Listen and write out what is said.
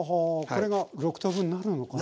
これが６等分になるのかな？